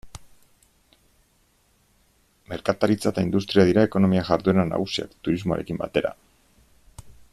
Merkataritza eta industria dira ekonomia jarduera nagusiak, turismoarekin batera.